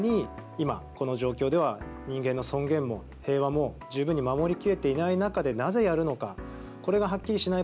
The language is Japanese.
なのに今この状況では人間の尊厳も平和も十分に守りきれていない中でなぜやるのか。